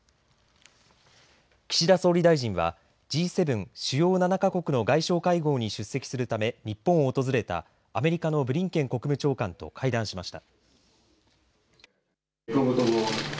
岸田総理大臣はＧ７、主要７か国の外相会合に出席するため日本を訪れたアメリカのブリンケン国務長官と会談しました。